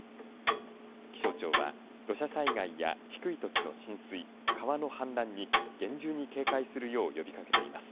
気象庁は土砂災害や低い土地の浸水川の氾濫に厳重に警戒するよう呼びかけています。